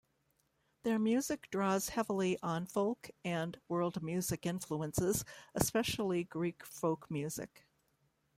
Their music draws heavily on folk and world music influences, especially Greek folk music.